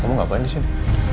kamu ngapain disini